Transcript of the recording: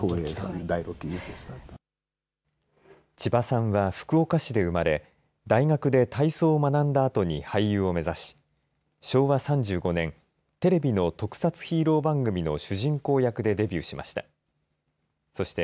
千葉さんは福岡市で生まれ大学で体操を学んだあとに俳優を目指し昭和３５年テレビの特撮ヒーロー番組の主人公役でデビューしました。